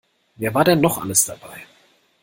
Wer war denn noch alles dabei?